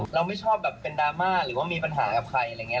เราไม่ชอบแบบเป็นดราม่าหรือว่ามีปัญหากับใครอะไรอย่างนี้